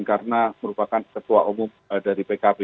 karena merupakan ketua umum dari pkb